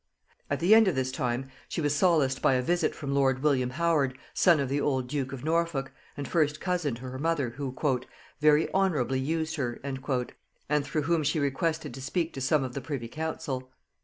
At the end of this time she was solaced by a visit from lord William Howard, son of the old duke of Norfolk, and first cousin to her mother, who "very honorably used her," and through whom she requested to speak to some of the privy council.